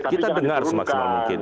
kita dengar semaksimal mungkin